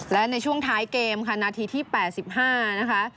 และในช่วงท้ายเกมค่ะนาทีที่๘๕นะคะ